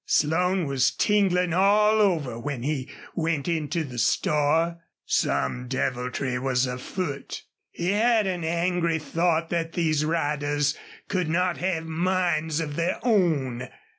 Slone was tingling all over when he went into the store. Some deviltry was afoot! He had an angry thought that these riders could not have minds of their own.